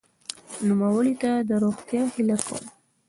نوموړي ته د روغتیا هیله کوم.